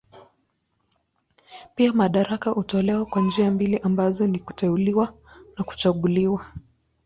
Pia madaraka hutolewa kwa njia mbili ambazo ni kuteuliwa na kuchaguliwa.